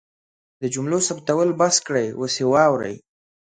د جملو ثبتول بس کړئ اوس یې واورئ